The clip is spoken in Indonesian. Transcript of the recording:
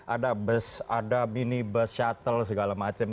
ada bus ada mini bus shuttle segala macam